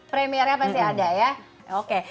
premiernya pasti ada ya oke